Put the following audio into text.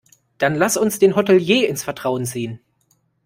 Dann lass uns den Hotelier ins Vertrauen ziehen.